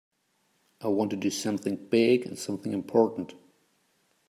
I want to do something big and something important.